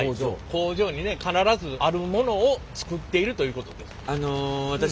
工場にね必ずあるものを作っているということです。